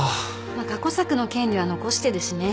過去作の権利は残してるしね。